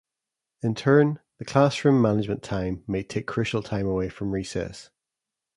In turn, the class room management time may take crucial time away from recess.